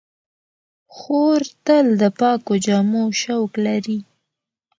خور تل د پاکو جامو شوق لري.